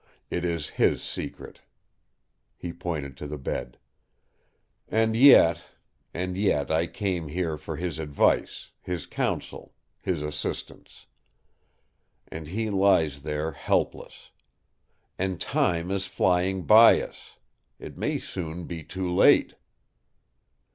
It is his secret." He pointed to the bed. "And yet—and yet I came here for his advice, his counsel, his assistance. And he lies there helpless.... And time is flying by us! It may soon be too late!"